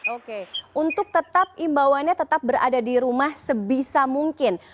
oke untuk tetap imbauannya tetap berada di rumah sebisa mungkin